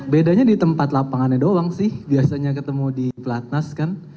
bedanya di tempat lapangannya doang sih biasanya ketemu di platnas kan